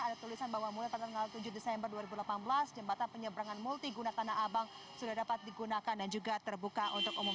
ada tulisan bahwa mulai tanggal tujuh desember dua ribu delapan belas jembatan penyeberangan multiguna tanah abang sudah dapat digunakan dan juga terbuka untuk umum